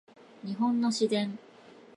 日本の自然